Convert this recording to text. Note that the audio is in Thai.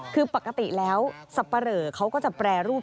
คือปกติแล้วสับปะเหลอเขาก็จะแปรรูป